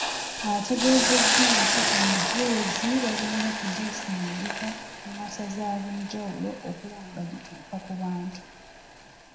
Ategeezezza nti emijoozi bagenda kugisindika mu Masaza ag'enjawulo okulaba nga gituuka ku bantu.